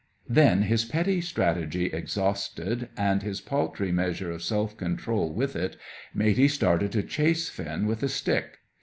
Then, his petty strategy exhausted, and his paltry measure of self control with it, Matey started to chase Finn with a stick.